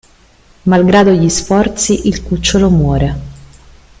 Malgrado gli sforzi il cucciolo muore.